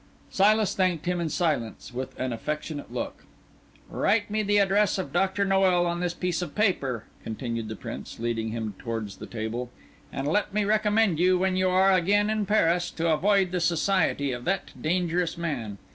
Silas thanked him in silence with an affectionate look. "Write me the address of Doctor Noel on this piece of paper," continued the Prince, leading him towards the table; "and let me recommend you, when you are again in Paris, to avoid the society of that dangerous man.